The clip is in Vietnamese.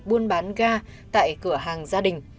buôn bán ga tại cửa hàng gia đình